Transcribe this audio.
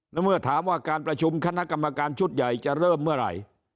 แล้วเมื่อถามว่าการประชุมคณะกรรมการชุดใหญ่จะเริ่มเมื่อไหร่